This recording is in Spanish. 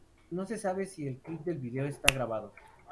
No se sabe si el clip de vídeo está grabado.